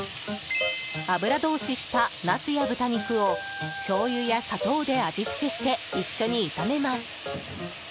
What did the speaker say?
油通ししたナスや豚肉をしょうゆや砂糖で味付けして一緒に炒めます。